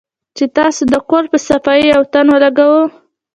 چې تاسو د کور پۀ صفائي يو تن ولګوۀ